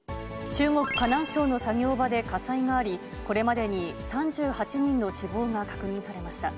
中国・河南省の作業場で火災があり、これまでに３８人の死亡が確認されました。